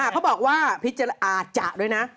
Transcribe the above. เขาบอกว่าา้าจั๊ะด้วยนะ